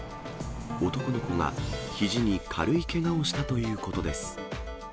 男の子が、ひじに軽いけがをしたということです。